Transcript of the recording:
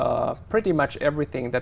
đã được thực hiện bởi chính phủ